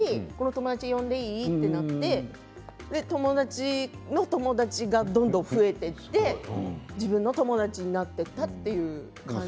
ごはん屋さんにこの友達呼んでいい？となって友達の友達がどんどん増えていって自分の友達になっていったという感じ。